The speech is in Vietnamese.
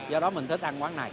do đó mình thích ăn quán này